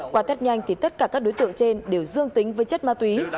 qua thất nhanh tất cả các đối tượng trên đều dương tính với chất ma túy